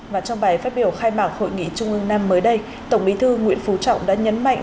và trong bài phát biểu khai mạc hội nghị trung ương năm mới đây tổng bí thư nguyễn phú trọng đã nhấn mạnh